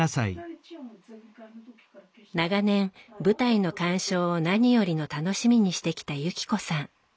長年舞台の鑑賞を何よりの楽しみにしてきた由紀子さん。